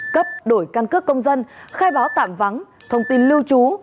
cấp đổi căn cước công dân khai báo tạm vắng thông tin lưu trú